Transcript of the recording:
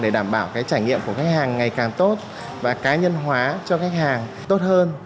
để đảm bảo cái trải nghiệm của khách hàng ngày càng tốt và cá nhân hóa cho khách hàng tốt hơn